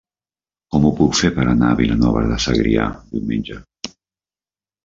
Com ho puc fer per anar a Vilanova de Segrià diumenge?